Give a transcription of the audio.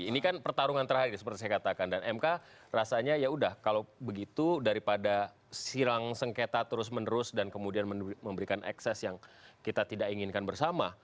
ini kan pertarungan terakhir seperti saya katakan dan mk rasanya ya udah kalau begitu daripada silang sengketa terus menerus dan kemudian memberikan ekses yang kita tidak inginkan bersama